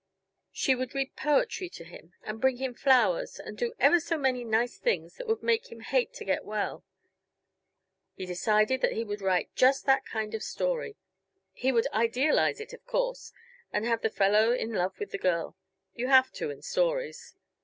She would read poetry to him and bring him flowers, and do ever so many nice things that would make him hate to get well. He decided that he would write just that kind of story; he would idealize it, of course, and have the fellow in love with the girl; you have to, in stories.